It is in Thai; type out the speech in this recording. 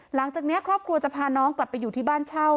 หลังจากนี้ครอบครัวจะพาน้องกลับไปอยู่ที่บ้านเช่า